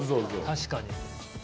確かに。